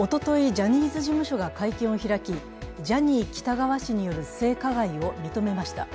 ジャニーズ事務所が会見を開きジャニー喜多川氏による性加害を認めました。